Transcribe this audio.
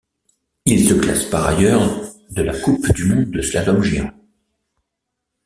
Il se classe par ailleurs de la coupe du monde de slalom géant.